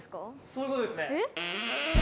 「そういう事ですね」